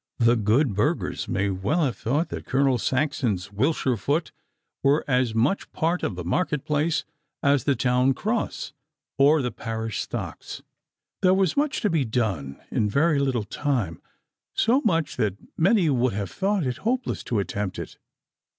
The good burghers may well have thought that Colonel Saxon's Wiltshire foot were as much part of the market place as the town cross or the parish stocks. There was much to be done in very little time, so much that many would have thought it hopeless to attempt it.